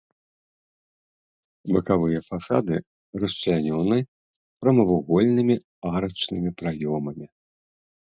Бакавыя фасады расчлянёны прамавугольнымі арачнымі праёмамі.